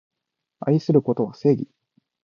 愛することは正義